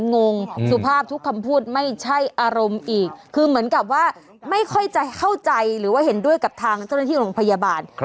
งงสุภาพทุกคำพูดไม่ใช่อารมณ์อีกคือเหมือนกับว่าไม่ค่อยจะเข้าใจหรือว่าเห็นด้วยกับทางเจ้าหน้าที่โรงพยาบาล